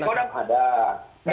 dari kodama ada